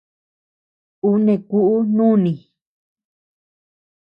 Ú neʼe kuʼu nùni.